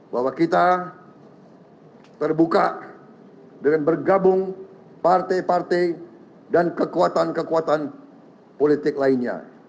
bahwa kita terbuka dengan bergabung partai partai dan kekuatan kekuatan politik lainnya